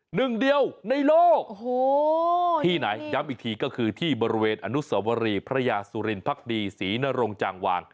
หนึ่งเดียวในโลกโอ้โหที่ไหนย้ำอีกทีก็คือที่บริเวณอนุสวรีพระยาสุรินพักดีศรีนรงจางวาง